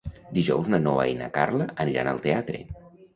Dijous na Noa i na Carla aniran al teatre.